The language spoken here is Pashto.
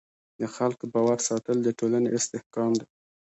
د خلکو باور ساتل د ټولنې استحکام دی.